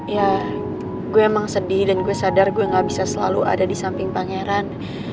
ya gue emang sedih dan gue sadar gue gak bisa selalu ada di samping pangeran